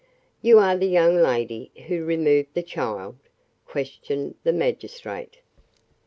"You are the young lady who removed the child?" questioned the magistrate.